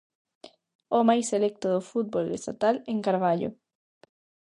O máis selecto do fútbol estatal, en Carballo.